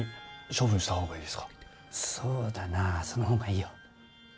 そうだなその方がいいよ。